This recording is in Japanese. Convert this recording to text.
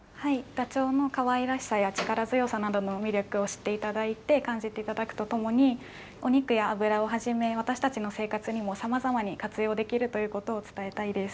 ダチョウのかわいらしさや力強さなどの魅力を知っていただいて、感じていただくとともに、お肉やあぶらをはじめ、私たちの生活にもさまざまに活用できるということを伝えたいです。